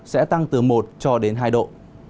sẽ tăng từ một cho đến hai độ